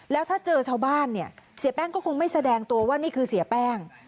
แล้วถ้าเจอชาวบ้านเนี่ยเสียแป้งก็คงไม่แสดงตัวว่านี่คือเสียแป้ง